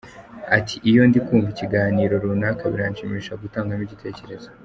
Ati “Iyo ndi kumva ikiganiro runaka biranshimisha gutangamo igitekerezo.